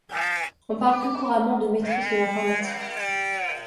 On parle plus couramment de maîtrise de l'informatique.